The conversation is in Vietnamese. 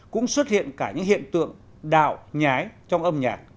cũng xuất hiện cả những hiện tượng đạo nhái trong âm nhạc